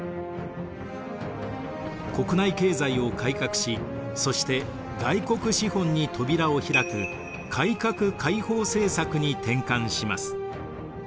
国内経済を改革しそして外国資本に扉を開く改革開放政策に転換します。